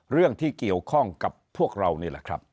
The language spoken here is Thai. เรื่องที่เกี่ยวข้องกับพวกเรานี่แหละครับ